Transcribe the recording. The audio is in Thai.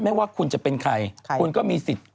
ว่าคุณจะเป็นใครคุณก็มีสิทธิ์